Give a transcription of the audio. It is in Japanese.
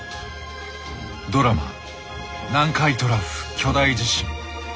ドラマ「南海トラフ巨大地震」。